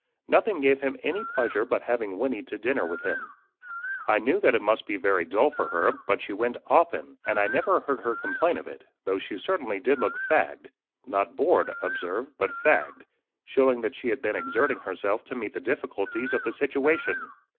Nothing gave him any pleasure but having Wynnie to dinner with him. I knew that it must be very dull for her, but she went often, and I never heard her complain of it, though she certainly did look fagged not bored, observe, but fagged showing that she had been exerting herself to meet the difficulties of the situation.